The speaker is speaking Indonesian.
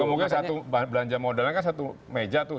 kamu kan belanja modalnya kan satu meja tuh